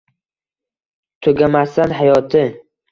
Tugamasdan hayoti?